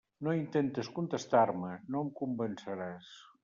No intentes contestar-me; no em convenceràs.